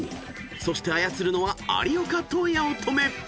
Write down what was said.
［そして操るのは有岡と八乙女］